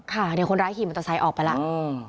ค่ะเดี๋ยวคนร้ายขี่มัตตาใส่ออกไปแล้ว